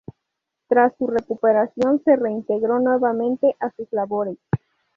Tras su recuperación, se reintegró nuevamente a sus labores.